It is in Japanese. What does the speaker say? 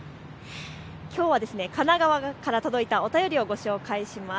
きょうは神奈川から届いたお便りをご紹介します。